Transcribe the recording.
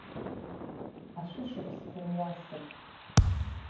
Ашәышықәсқәа мҩасып.